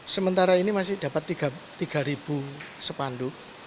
sementara ini masih dapat tiga sepanduk